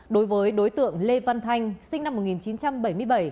đối với đối tượng lê văn thanh sinh năm một nghìn chín trăm bảy mươi bảy